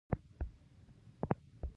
دوی د ډبرو کورونه او د غلو ګودامونه جوړول.